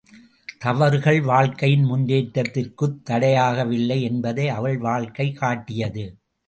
தவறுகள் வாழ்க்கையின் முன்னேற்றத்திற்குத் தடையாகவில்லை என்பதை அவள் வாழ்க்கை காட்டியது.